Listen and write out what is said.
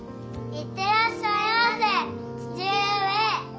行ってらっしゃいませ父上。